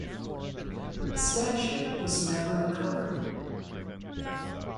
The statue was never recovered.